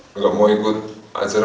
nggak mau ikut ajaran dia gitu